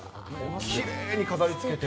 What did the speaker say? きれいに飾りつけて。